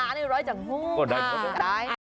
อ่าเป็นว่าแสดงโอเคโอเคได้นี่ก็ได้